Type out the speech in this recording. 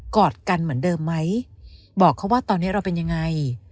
อดกันเหมือนเดิมไหมบอกเขาว่าตอนนี้เราเป็นยังไง